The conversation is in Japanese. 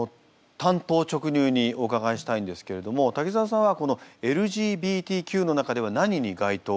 単刀直入にお伺いしたいんですけれども滝沢さんはＬＧＢＴＱの中では何に該当するんですか？